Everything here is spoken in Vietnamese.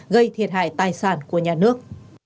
gây thiệt hại tài sản của nhà nước